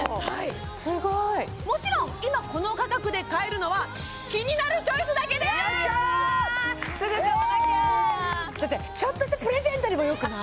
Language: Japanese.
すごいもちろん今この価格で買えるのはキニナルチョイスだけですすぐ買わなきゃちょっとしたプレゼントにもよくない？